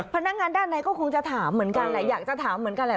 พนักงานด้านในก็คงจะถามเหมือนกันแหละอยากจะถามเหมือนกันแหละ